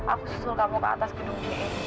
aku susul kamu ke atas gedung ini